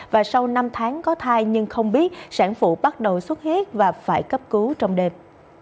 và sau năm tháng có thai nhưng không biết sản phụ bắt đầu xuất huyết và phải cấp cứu trong đêm